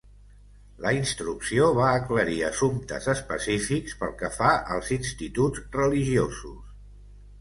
La instrucció va aclarir assumptes específics pel que fa als instituts religiosos.